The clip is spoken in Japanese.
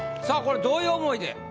さぁこれどういう思いで？